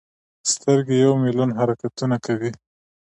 سترګې یو ملیون حرکتونه کوي.